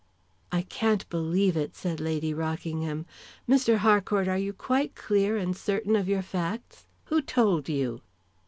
"I can't believe it," said Lady Rockingham. "Mr. Harcourt, are you quite clear and certain of your facts? Who told you?"